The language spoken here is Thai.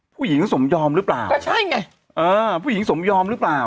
ผู้หญิงสมยอมหรือเปล่าก็ใช่ไงเออผู้หญิงสมยอมหรือเปล่า